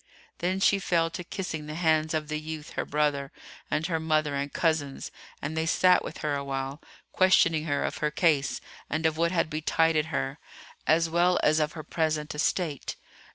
Then she fell to kissing the hands of the youth her brother and her mother and cousins, and they sat with her awhile, questioning her of her case and of what had betided her, as well as of her present estate.